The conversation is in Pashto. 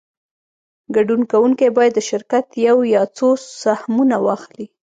ګډون کوونکی باید د شرکت یو یا څو سهمونه واخلي